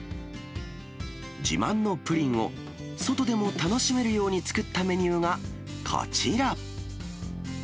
自慢のプリンを外でも楽しめるように作ったメニューがこちら。